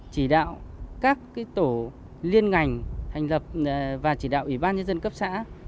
chỉ đạo các tổ liên ngành thành lập và chỉ đạo ủy ban nhân dân cấp xã